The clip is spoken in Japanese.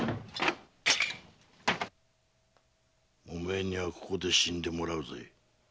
お前にはここで死んでもらうぜ。